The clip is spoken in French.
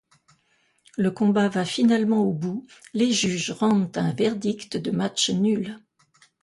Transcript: Le combat va finalement au bout, les juges rendent un verdict de match nul.